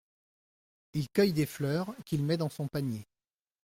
Il cueille des fleurs, qu'il met dans son panier.